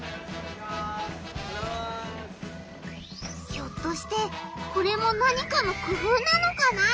ひょっとしてこれも何かのくふうなのかな？